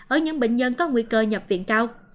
ở những bệnh nhân có nguy cơ nhập viện cao